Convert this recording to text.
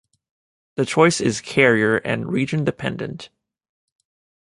The choice is carrier- and region-dependent.